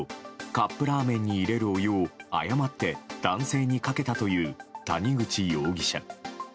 カップラーメンに入れるお湯を誤って男性にかけたという谷口容疑者。